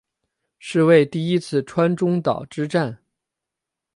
是为第一次川中岛之战。